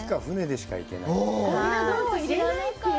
舟でしか行けない。